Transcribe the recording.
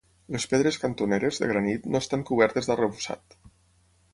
Les pedres cantoneres, de granit, no estan cobertes d'arrebossat.